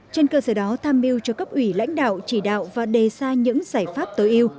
trên cơ sở đó tham mưu cho các ủy lãnh đạo chỉ đạo và đề xa những giải pháp tối ưu